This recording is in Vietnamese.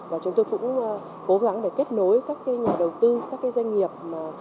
và chúng tôi cũng cố gắng để kết nối các nhà đầu tư các doanh nghiệp